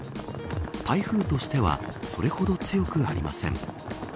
台風としてはそれほど強くありません。